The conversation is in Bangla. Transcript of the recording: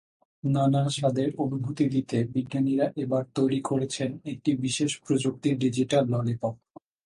নানা স্বাদের অনুভূতি দিতে বিজ্ঞানীরা এবার তৈরি করেছেন একটি বিশেষ প্রযুক্তির ডিজিটাল ললিপপ।